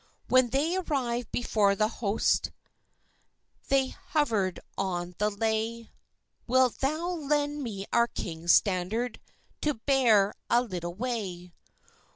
When they arrived before the host, They hover'd on the lay: "Wilt thou lend me our king's standard, To bear a little way?"